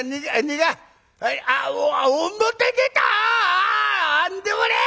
ああ何でもねえ！